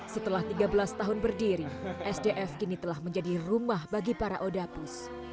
setelah tiga belas tahun berdiri sdf kini telah menjadi rumah bagi para odapus